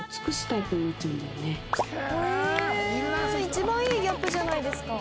一番いいギャップじゃないですか。